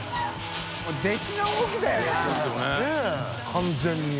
完全に。